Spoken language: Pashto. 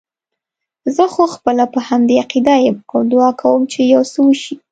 زه خو خپله په همدې عقیده یم او دعا کوم چې یو څه وشي.